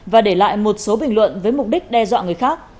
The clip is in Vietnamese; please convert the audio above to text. và để lại một số bình luận với mục đích đe dọa người khác